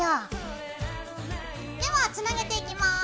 ではつなげていきます。